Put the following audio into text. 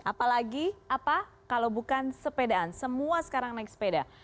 apalagi apa kalau bukan sepedaan semua sekarang naik sepeda